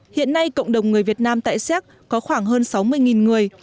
hiện nay cộng đồng người việt nam tại séc có khoảng hơn sáu mươi người